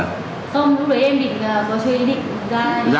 không lúc đấy em bị gói chơi ý định ra